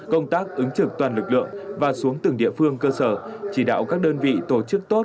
công tác ứng trực toàn lực lượng và xuống từng địa phương cơ sở chỉ đạo các đơn vị tổ chức tốt